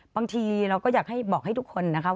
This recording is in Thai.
บางทีเราก็อยากให้บอกให้ทุกคนนะครับ